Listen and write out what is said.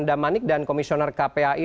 damanik dan komisioner kpi